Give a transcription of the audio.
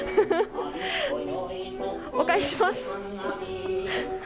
お返しします。